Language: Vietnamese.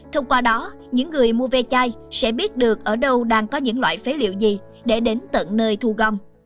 thông qua đó những người mua ve chai sẽ biết được ở đâu đang có những loại phế liệu gì để đến tận nơi thu gom